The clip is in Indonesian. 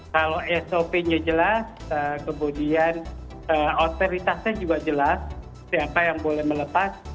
kalau sop nya jelas kemudian otoritasnya juga jelas siapa yang boleh melepas